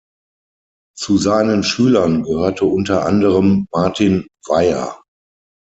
Zu seinen Schülern gehörte unter anderem Martin Weyer.